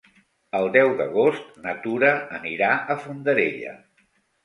El deu d'agost na Tura anirà a Fondarella.